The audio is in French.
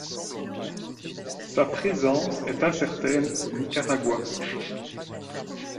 Sa présence est incertaine au Nicaragua.